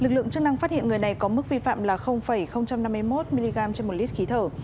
lực lượng chức năng phát hiện người này có mức vi phạm là năm mươi một mg trên một lít khí thở